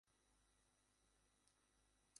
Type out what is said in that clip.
মহেন্দ্র তীব্র অভিমানে বলিয়া উঠিল, না না, আমি চাই না।